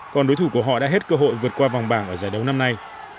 còn đối thủ của họ đã hết cơ hội vượt qua vòng bảng ở giải đấu năm nay